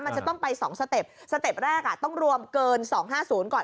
มันจะต้องไป๒สเต็ปสเต็ปแรกต้องรวมเกิน๒๕๐ก่อน